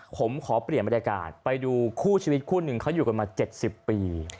ผมขอเปลี่ยนบรรยากาศไปดูคู่ชีวิตคู่หนึ่งเขาอยู่กันมา๗๐ปี